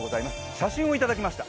写真をいただきました。